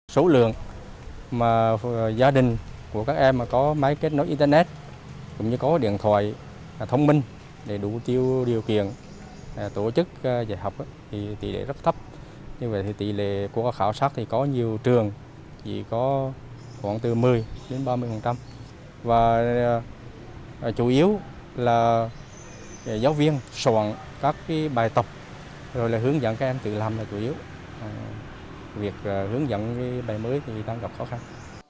theo khảo sát của phòng giáo dục huyện miền núi nam đông tỷ lệ hộ gia đình có mạng internet ở khu vực trung tâm huyện miền núi nam đông thì rất khó khăn